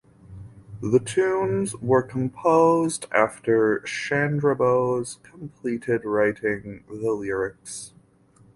The tunes were composed after Chandrabose completed writing the lyrics.